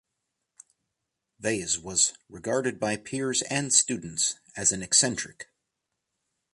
Vaze was regarded by peers and students as an eccentric.